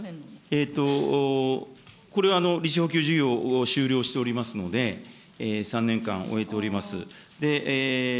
これは利子補給事業を終了しておりますので、３年間終えております。